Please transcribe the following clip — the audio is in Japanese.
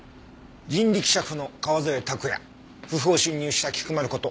人力車夫の川添卓弥不法侵入した菊丸こと